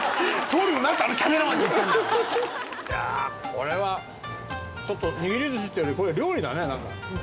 これはちょっと握り寿司っていうよりこういう料理だねなんか。